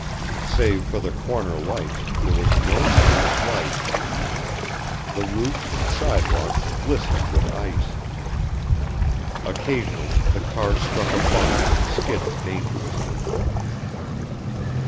Save for the corner lights, there was no sign of life. The roofs and sidewalks glistened with ice. Occasionally the car struck a bump and skidded dangerously.